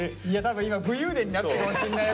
今武勇伝になってるかもしれないよ。